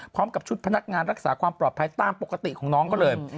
พร้อมกับชุดพนักงานรักษาความปลอดภัยตามปกติของน้องก็เลย